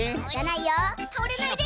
たおれないで！